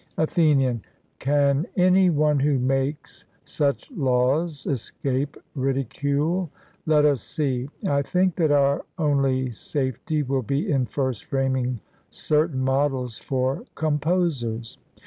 ATHENIAN: Can any one who makes such laws escape ridicule? Let us see. I think that our only safety will be in first framing certain models for composers.